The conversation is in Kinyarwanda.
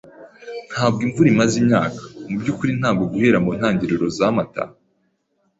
Ntabwo imvura imaze imyaka; mubyukuri, ntabwo guhera muntangiriro za Mata.